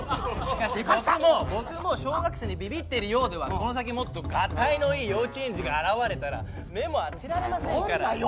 しかし僕も僕も小学生にビビってるようではこの先もっとガタイのいい幼稚園児が現れたら目も当てられませんからね。